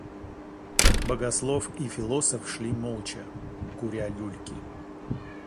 Богослов и философ шли молча, куря люльки.